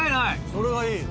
それがいい！